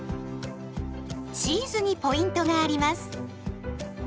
チーズにポイントがあります。